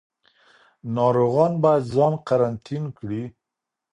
ناروغان باید ځان قرنطین کړي.